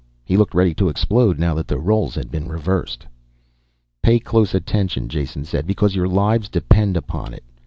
He looked ready to explode now that the roles had been reversed. "Pay close attention," Jason said, "because your lives depend upon it.